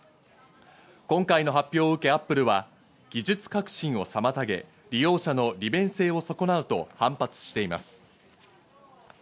今回の発表を受けアップルが技術確信を妨げ、利用者の利便性を損なうと反発しています。